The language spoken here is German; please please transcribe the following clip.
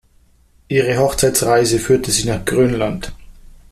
Ihre „Hochzeitsreise“ führte sie nach Grönland.